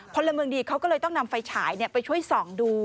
พลเมืองดีเขาก็เลยต้องนำไฟฉายไปช่วยส่องดู